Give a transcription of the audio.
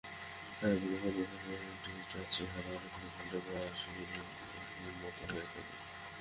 তবে কখনো কখনও ডেটার চেহারা অনেকটা ঘন্টা বা বেল শেপের মত হয়ে থাকে।